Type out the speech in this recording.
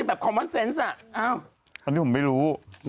อันนี้ผมไม่รู้